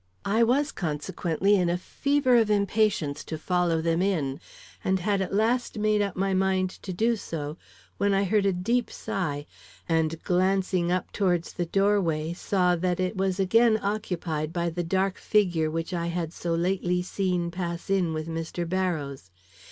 "I was consequently in a fever of impatience to follow them in, and had at last made up my mind to do so, when I heard a deep sigh, and glancing up towards the doorway, saw that it was again occupied by the dark figure which I had so lately seen pass in with Mr. Barrows.